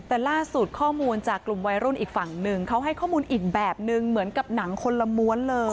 แต่ล่าสุดข้อมูลจากกลุ่มวัยรุ่นอีกฝั่งหนึ่งเขาให้ข้อมูลอีกแบบนึงเหมือนกับหนังคนละม้วนเลย